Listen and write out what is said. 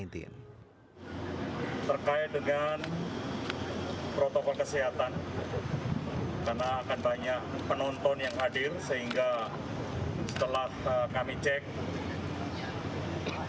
terkait dengan protokol kesehatan karena akan banyak penonton yang hadir sehingga setelah kami cek